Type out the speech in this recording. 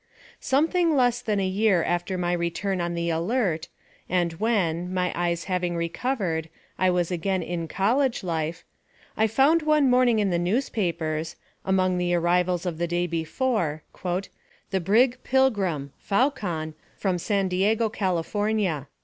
Something less than a year after my return in the Alert, and when, my eyes having recovered, I was again in college life, I found one morning in the newspapers, among the arrivals of the day before, "The brig Pilgrim, Faucon, from San Diego, California."